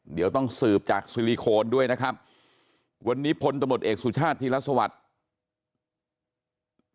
เดี๋ยวต้องสืบจากซิลิโคนด้วยนะครับวันนี้พลตำรวจเอกสุชาติธีรสวัสดิ์